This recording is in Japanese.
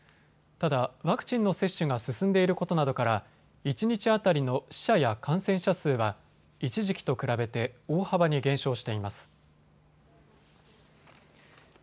ただ、ワクチンの接種が進んでいることなどから一日当たりの死者や感染者数は一時期と比べて大幅に減少しています。